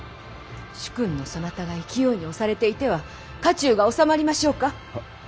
主君のそなたが勢いに押されていては家中が治まりましょうか。